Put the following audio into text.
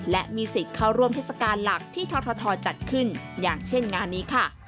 และมีสิทธิ์เข้าร่วมเทศกาลหลักที่ททจัดขึ้นอย่างเช่นงานนี้ค่ะ